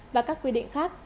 và các quy định khác